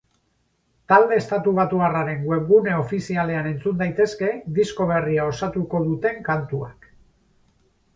Talde estatubatuaren webgune ofizialean entzun daitezke disko berria osatuko duten kantuak.